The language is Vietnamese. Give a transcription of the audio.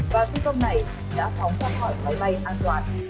và phi công này đã phóng ra khỏi máy bay an toàn